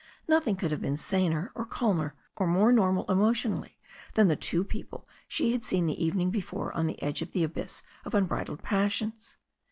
Nothing could have been saner or calmer or more normal emotionally than the two people she had seen the evening before on the edge of the abyss of unbridled passions.